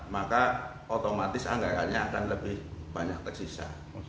maka otomatis anggarannya akan lebih banyak tersisa